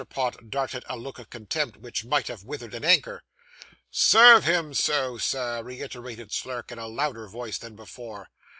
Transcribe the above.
Pott darted a look of contempt, which might have withered an anchor. 'Serve him so, sir!' reiterated Slurk, in a louder voice than before.